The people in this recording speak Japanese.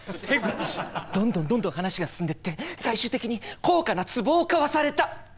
どんどんどんどん話が進んでって最終的に高価なつぼを買わされた。